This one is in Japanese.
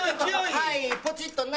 はいポチッとな。